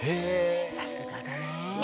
さすがだね。